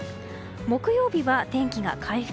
木曜日は天気が回復。